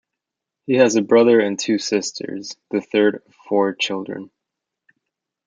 He has a brother and two sisters, the third of four children.